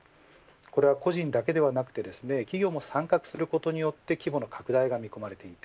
これは個人だけではなく企業も参画することによって規模の拡大が見込まれます。